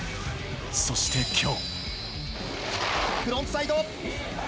そして今日。